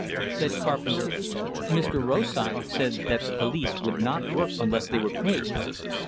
Said Carpenter: "Mr. Rosythe said that the police would not work unless they were paid.